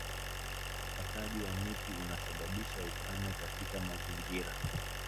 Ukataji wa miti unasababisha ukame katika mazingira